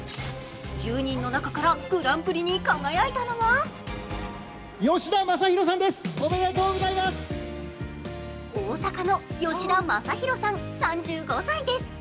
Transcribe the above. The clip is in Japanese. １０人の中からグランプリに輝いたのは大阪の吉田昌弘さん３５歳です。